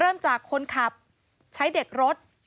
เริ่มจากคนขับใช้เด็กรถ